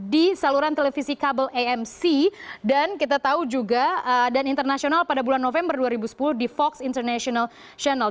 di saluran televisi kabel amc dan kita tahu juga dan internasional pada bulan november dua ribu sepuluh di vox international channel